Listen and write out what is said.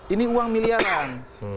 ini uang miliaran